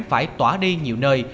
phải tỏa đi nhiều nơi